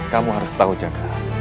kamu harus tahu jaga